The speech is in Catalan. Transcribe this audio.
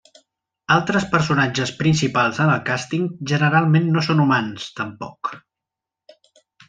Altres personatges principals en el càsting generalment no són humans, tampoc.